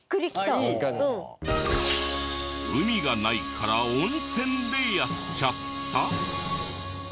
海がないから温泉でやっちゃった？